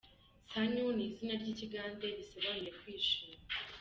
Sanyu ni izina ry’Ikigande bisobanuye kwishima.